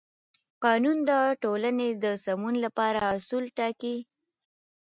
قانون د ټولنې د سمون لپاره اصول ټاکي.